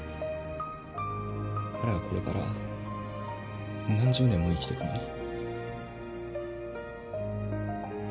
彼はこれから何十年も生きてくのに。